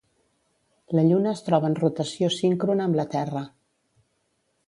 La Lluna es troba en rotació síncrona amb la Terra.